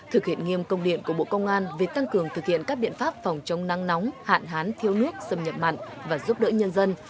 thực hiện nghiêm công điện của bộ công an về tăng cường thực hiện các biện pháp phòng chống nắng nóng hạn hán thiếu nước xâm nhập mặn và giúp đỡ nhân dân